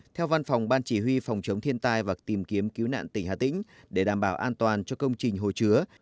theo văn phòng ban chỉ huy phòng chống thiên tai và tìm kiếm cứu nạn tỉnh hà tĩnh để đảm bảo an toàn cho công trình hồ chứa